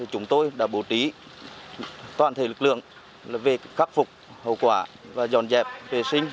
chúng tôi đã bổ trí toàn thể lực lượng về khắc phục hậu quả và dọn dẹp vệ sinh